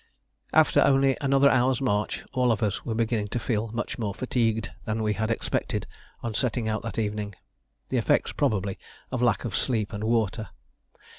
After only another hour's march all of us were beginning to feel much more fatigued than we had expected on setting out that evening, the effects probably of lack of sleep and water.